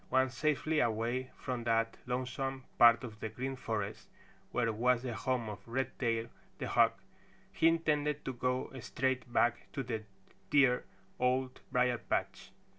Once safely away from that lonesome part of the Green Forest where was the home of Redtail the Hawk, he intended to go straight back to the dear Old Briar patch.